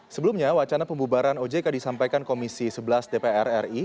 sebelumnya wacana pembubaran ojk disampaikan komisi sebelas dpr ri